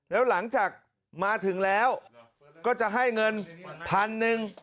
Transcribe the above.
แล้วหลังจากมาถึงแล้วก็จะให้เงินพันหนึ่ง